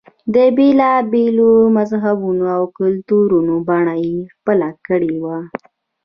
د بېلا بېلو مذهبونو او کلتورونو بڼه یې خپله کړې وه.